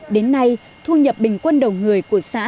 đến nay thu nhập bình quân đầu người của xã